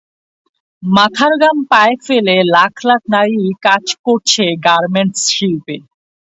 মাথার ঘাম পায়ে ফেলে লাখ লাখ নারী কাজ করছে গার্মেন্টস শিল্পে।